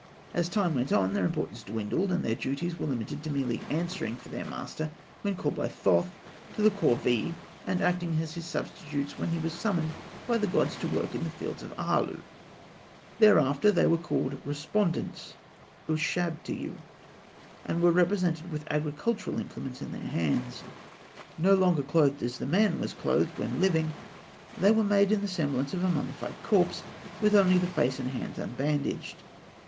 As time went on, their importance dwindled, and their duties were limited to merely answering for their master when called by Thoth to the corvée, and acting as his substitutes when he was summoned by the gods to work in the Fields of Aalû. Thenceforth they were called "Respondents" (Ûshabtiû), and were represented with agricultural implements in their hands. No longer clothed as the man was clothed when living, they were made in the semblance of a mummified corpse, with only the face and hands unbandaged.